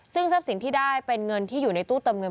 ซึ่งทรัพย์สินที่ได้เป็นเงินที่อยู่ในตู้เติมเงิน